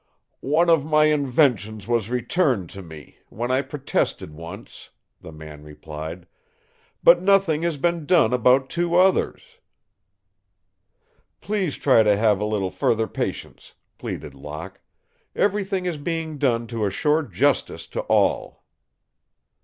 "One of my inventions was returned to me, when I protested once," the man replied, "but nothing has been done about two others." "Please try to have a little further patience," pleaded Locke. "Everything is being done to assure justice to all."